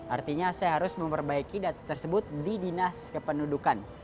artinya saya harus memperbaiki data tersebut di dinas kependudukan